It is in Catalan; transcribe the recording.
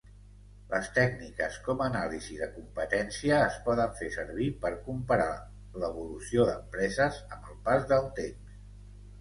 Les tècniques com anàlisi de competència es poden fer servir per comparar l evolució d'empreses amb el pas del temps.